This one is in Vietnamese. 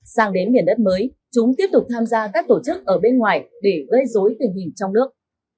sang đến miền đất mới chúng tiếp tục tham gia các tổ chức ở bên ngoài để gây dối tình hình trong nước